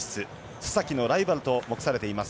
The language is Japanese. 須崎のライバルと目されています